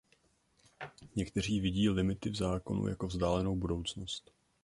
Někteří vidí limity v zákonu jako vzdálenou budoucnost.